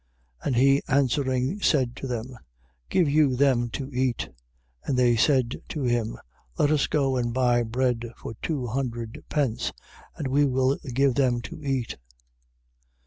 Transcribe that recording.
6:37. And he answering said to them: Give you them to eat. And they said to him: Let us go and buy bread for two hundred pence, and we will give them to eat.